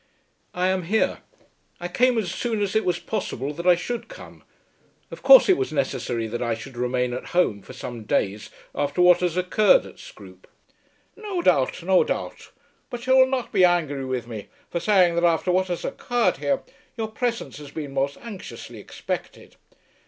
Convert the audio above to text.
"I am here. I came as soon as it was possible that I should come. Of course it was necessary that I should remain at home for some days after what has occurred at Scroope." "No doubt; no doubt. But you will not be angry with me for saying that after what has occurred here, your presence has been most anxiously expected.